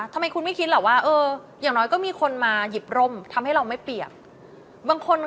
ทำไมคุณไม่คิดหรอกว่าเอออย่างน้อยก็มีคนมาหยิบร่มทำให้เราไม่เปรียบบางคน